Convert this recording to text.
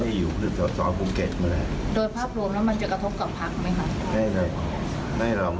ให้พักพลังประชารัฐโดนเลยไหมครับ